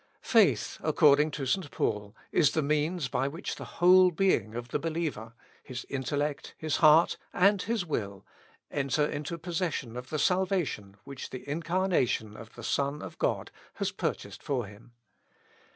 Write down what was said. Faith, according to St. Paul, is the means by which the whole being of the believer his intellect, his heart, and his will enter into possession of the salvation which the incarnation of the Son of God has purchased for him.